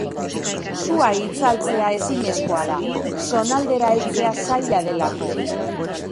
Sua itzaltzea ezinezkoa da, zonaldera heltzea zaila delako.